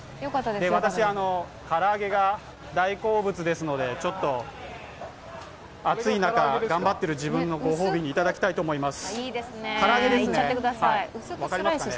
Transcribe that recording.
私、唐揚げが大好物ですので、暑い中、頑張ってる自分のご褒美にいただきたいと思います。